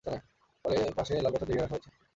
এর পাশে লাল পাথর দিয়ে ঘিরে রাখা হয়েছে।